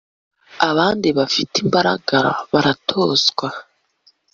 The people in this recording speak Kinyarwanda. abandi bafite imbaraga baratozwa